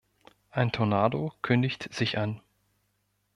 Ein Tornado kündigt sich an.